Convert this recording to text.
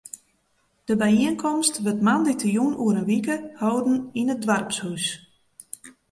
De byienkomst wurdt moandeitejûn oer in wike holden yn it doarpshûs.